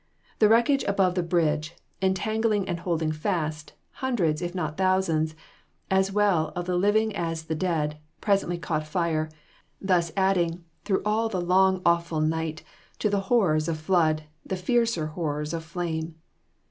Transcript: The wreckage above the bridge, entangling and holding fast, hundreds, if not thousands, as well of the living as the dead, presently caught fire, thus adding, through all the long awful night, to the horrors of flood, the fiercer horrors of flame.